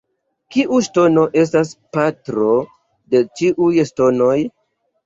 Kiu ŝtono estas patro de ĉiuj ŝtonoj?